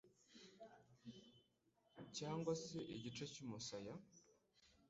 cyangwa se igice cy'umusaya